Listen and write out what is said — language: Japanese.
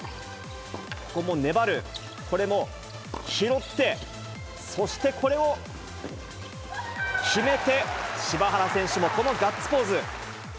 ここも粘る、これも拾って、そしてこれを決めて、柴原選手もこのガッツポーズ。